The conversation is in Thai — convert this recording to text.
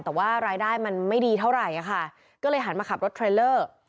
แต่ว่ารายได้มันไม่ดีเท่าไหร่ค่ะก็เลยหันมาขับรถเทรลเลอร์